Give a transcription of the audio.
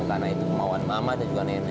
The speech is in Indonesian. karena itu kemauan mama dan juga nenek